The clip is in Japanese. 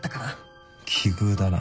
奇遇だな。